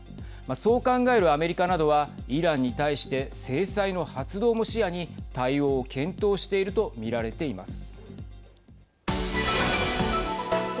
そう考えるアメリカなどはイランに対して制裁の発動も視野に対応を検討していると見られています。